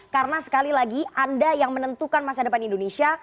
karena sekali lagi anda yang menentukan masa depan indonesia